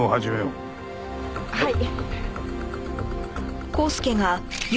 はい。